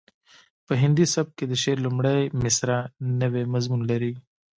په هندي سبک کې د شعر لومړۍ مسره نوی مضمون لري